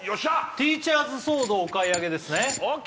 ティーチャーズソードをお買い上げですねＯＫ！